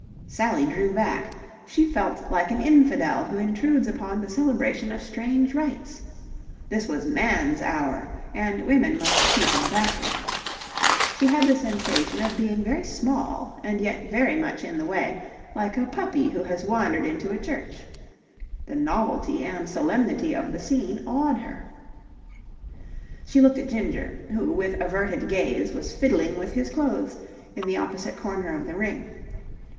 Sally drew back. She felt like an infidel who intrudes upon the celebration of strange rites. This was Man's hour, and women must keep in the background. She had the sensation of being very small and yet very much in the way, like a puppy who has wandered into a church. The novelty and solemnity of the scene awed her. She looked at Ginger, who with averted gaze was fiddling with his clothes in the opposite corner of the ring.